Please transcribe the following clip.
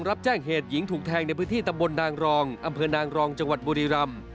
รับแจ้งเหตุหญิงถูกแทงในพตนางรองอนางรองจบนดย์